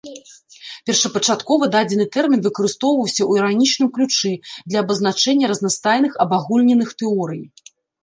Першапачаткова дадзены тэрмін выкарыстоўваўся ў іранічным ключы для абазначэння разнастайных абагульненых тэорый.